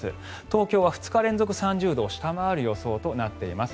東京は２日連続３０度を下回る予想となっています。